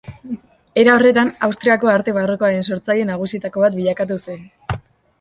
Era horretan, Austriako arte barrokoaren sortzaile nagusietako bat bilakatu zen.